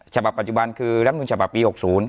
ฉบับปัจจุบันคือรัฐมนุนฉบับปี๖๐